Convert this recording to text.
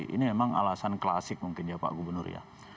ini memang alasan klasik mungkin ya pak gubernur ya